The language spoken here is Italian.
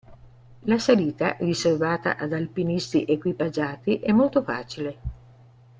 La salita, riservata ad alpinisti equipaggiati, è molto facile.